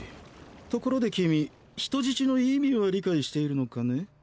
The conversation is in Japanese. ところで君人質の意味は理解しているのかね？